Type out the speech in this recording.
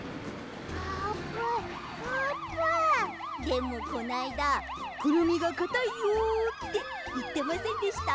でもこないだ「クルミがかたいよ」っていってませんでした？